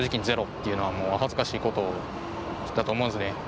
ゼロっていうのはもう恥ずかしいことだと思うんですね。